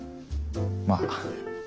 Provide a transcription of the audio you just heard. まあ。